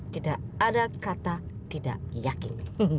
tidak ada kata tidak yakin